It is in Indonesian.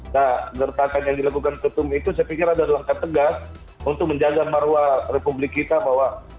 nah gertakan yang dilakukan ketum itu saya pikir adalah langkah tegas untuk menjaga maruah republik kita bahwa